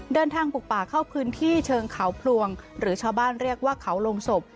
ปลูกป่าเข้าพื้นที่เชิงเขาพลวงหรือชาวบ้านเรียกว่าเขาลงศพ